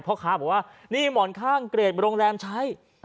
เพราะข้าบอกว่านี่หมอนข้างเกลียดบริโรงแรมใช้